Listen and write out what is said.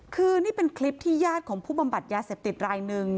คือนี่เป็นคลิปที่ญาติของผู้บำบัดยาเสพติดรายหนึ่ง